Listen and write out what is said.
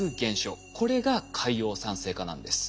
これが海洋酸性化なんです。